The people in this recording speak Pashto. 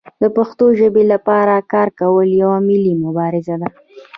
د پښتو ژبې لپاره کار کول یوه ملي مبارزه ده.